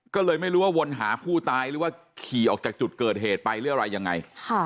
ก็เลยไม่รู้ว่าวนหาผู้ตายหรือว่าขี่ออกจากจุดเกิดเหตุไปหรืออะไรยังไง